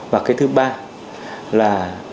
và thứ ba là